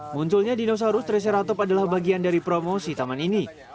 munculnya dinosaurus triceratops adalah bagian dari promosi taman ini